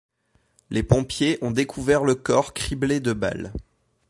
Les pompiers ont découvert le corps criblé de balles.